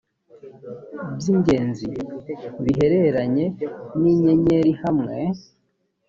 by ingenzi bihereranye n inyenyeri hamwe